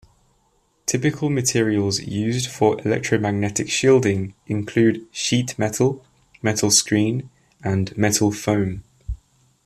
Typical materials used for electromagnetic shielding include sheet metal, metal screen, and metal foam.